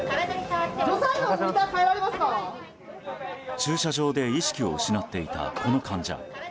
駐車場で意識を失っていたこの患者。